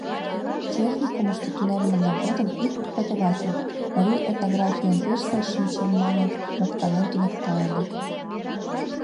— Техникумышто тунеммына годым ик преподаватель, марий этнографийым пеш сай шинчем манын, моктанен туныкта ыле.